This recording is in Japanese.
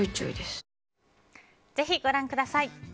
ぜひご覧ください。